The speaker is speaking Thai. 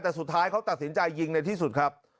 แต่สุดท้ายเขาตัดสินใจยิงในที่สุดครับ